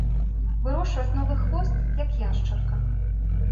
Вырошчваць новы хвост, як яшчарка.